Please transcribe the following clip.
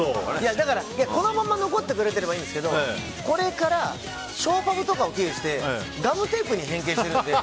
だからこのまま残ってくれればいいんですけどこれからショーパブとかを経由してガムテープに変形してるんで。